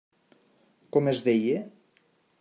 Com es deia?